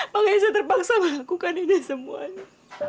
makanya saya terpaksa melakukan ini semuanya